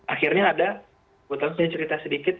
akhirnya ada gue taruh cerita sedikit